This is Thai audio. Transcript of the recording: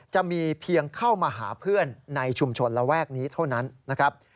จะมีเพียงเข้ามาหาเพื่อนในชุมชนระแวกนี้เท่านั้นนะครับ